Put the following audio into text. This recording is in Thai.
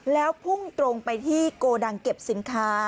แล้วพุ่งตรงไปที่โกดังเก็บสินค้า